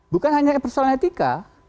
bukan hanya persoalan etika